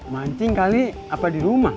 mancing kali apa di rumah